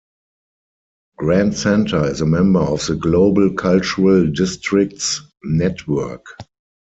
Grand Center is member of the Global Cultural Districts Network.